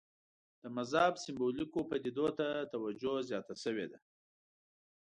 د مذهب سېمبولیکو پدیدو ته توجه زیاته شوې ده.